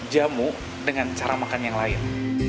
jamu dengan cara makan yang lain